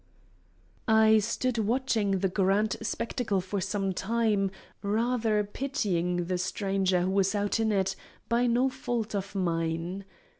I stood watching the grand spectacle for some time, rather pitying the Stranger who was out in it, by no fault of mine.